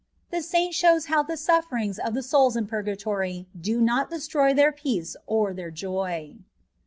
THE SAINT SHOWS THAT THE SUFFERINGS OP THE SOULS IN PUR GATORT DO NOT DESTROT THEIR PEACE OR THEIR JOT.